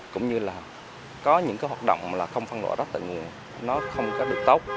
cũng như là có những cái hoạt động mà là không phân loại rác tại nguồn nó không có được tốc